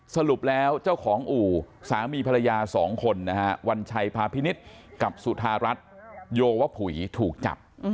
สรุปแล้วเจ้าของอู่สามีภรรยา๒คนนะฮะวัญชัยพาพินิษฐ์กับสุธารัฐโยวผุยถูกจับ